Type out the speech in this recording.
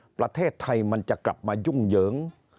นเผ้าไทยมันจะกลับมายุ่งเหยิง